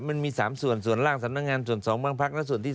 มันมีสามส่วนส่วนล่างสำนักงาน